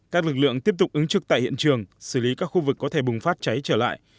các lực lượng tiếp tục ứng trực tại hiện trường xử lý các khu vực có thể bùng phát cháy trở lại